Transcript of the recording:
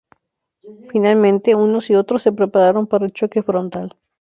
Finalmente, unos y otros se prepararon para el choque frontal.